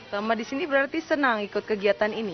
lama di sini berarti senang ikut kegiatan ini